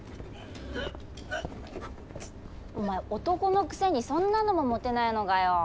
お前男のくせにそんなのも持てないのかよ。